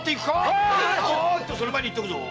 おっとその前に言っとくぞ！